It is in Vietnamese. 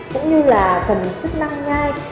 cũng như là phần chức năng nhai